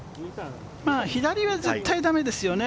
左は絶対駄目ですよね。